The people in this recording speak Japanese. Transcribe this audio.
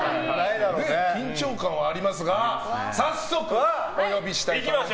緊張感はありますが早速お呼びしたいと思います。